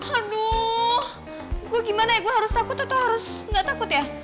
aduh gue gimana ya gue harus takut atau harus nggak takut ya